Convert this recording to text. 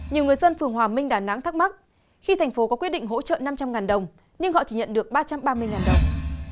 nhiều người dân phường hòa minh đà nẵng thắc mắc khi thành phố có quyết định hỗ trợ năm trăm linh đồng nhưng họ chỉ nhận được ba trăm ba mươi đồng